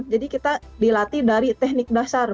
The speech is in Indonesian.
jadi kita dilatih dari teknik dasar